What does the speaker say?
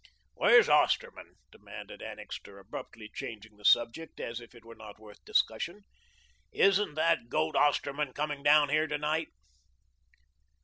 "Where's Osterman?" demanded Annixter, abruptly changing the subject as if it were not worth discussion. "Isn't that goat Osterman coming down here to night?"